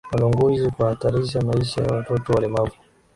Walanguzi kuhatarisha maisha ya watoto walemavu